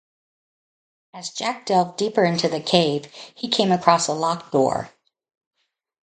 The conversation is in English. As Jack delved deeper into the cave, he came across a locked door.